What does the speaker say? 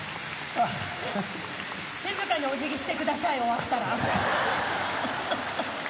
静かにお辞儀してください終わったら。